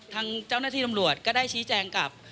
ทางเจ้าหน้าที่ตำรวจก็ได้ชี้แจงกับ